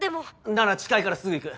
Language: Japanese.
なら近いからすぐ行く。